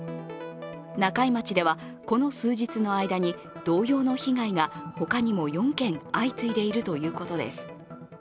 中井町ではこの数日の間に同様の被害が他にも４件相次いでいるということです。